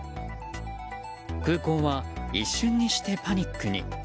空港は一瞬にしてパニックに。